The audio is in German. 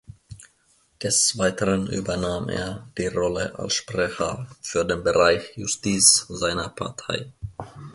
Des Weiteren übernahm er die Rolle als Sprecher für den Bereich Justiz seiner Partei.